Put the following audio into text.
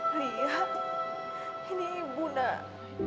ini udah selesai mbak